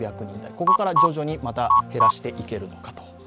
ここから徐々にまた減らしていけるのかと。